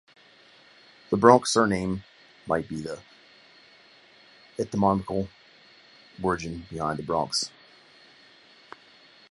The Bronk surname might be the etymological origin behind the Bronx.